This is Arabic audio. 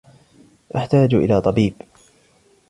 أحتاج إلى طبيب.